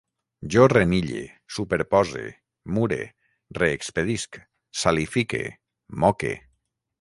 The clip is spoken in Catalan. Jo renille, superpose, mure, reexpedisc, salifique, moque